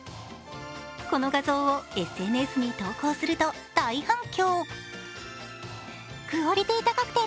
この画像をＳＮＳに投稿すると大反響